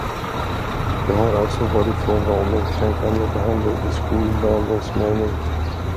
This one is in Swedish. Det har alltså varit fråga om en kränkande behandling i skollagens mening.